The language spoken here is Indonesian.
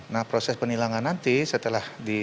nah proses penilangan nanti setelah disampaikan melalui sms